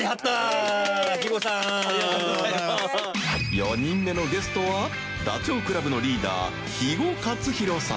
４人目のゲストはダチョウ倶楽部のリーダー邯綛邱気